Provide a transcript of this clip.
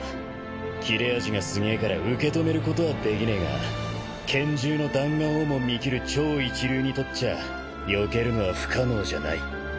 斬れ味がすげえから受け止めることはできねえが拳銃の弾丸をも見切る超一流にとっちゃよけるのは不可能じゃない。